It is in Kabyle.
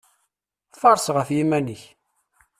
Faṛes ɣef yiman-ik!